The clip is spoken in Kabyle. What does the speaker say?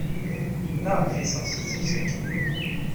Maɣef ay teɣs ad tels akken?